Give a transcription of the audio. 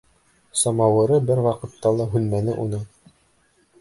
Самауыры бер ваҡытта ла һүнмәне уның.